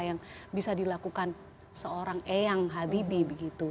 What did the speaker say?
yang bisa dilakukan seorang eyang habibie begitu